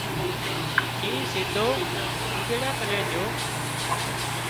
شينهن سِڌو اونۮيڙا ڪنين جھو